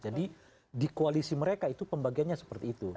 jadi di koalisi mereka itu pembagiannya seperti itu